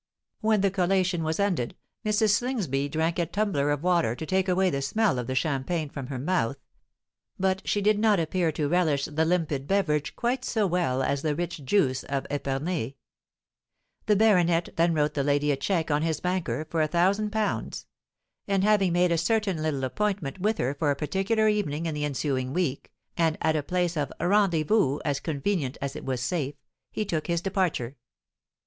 When the collation was ended, Mrs. Slingsby drank a tumbler of water to take away the smell of the champagne from her mouth; but she did not appear to relish the limpid beverage quite so well as the rich juice of Epernay. The baronet then wrote the lady a cheque on his banker for a thousand pounds; and, having made a certain little appointment with her for a particular evening in the ensuing week, and at a place of rendezvous as convenient as it was safe, he took his departure.